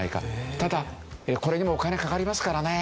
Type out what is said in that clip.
ただこれにもお金かかりますからね。